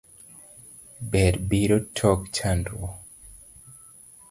Ber biro tok chandruo.